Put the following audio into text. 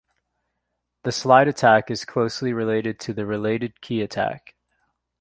The slide attack is closely related to the related-key attack.